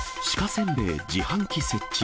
せんべい、自販機設置。